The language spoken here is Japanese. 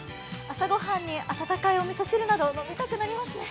朝ごはんに温かいおみそ汁など飲みたくなりますね。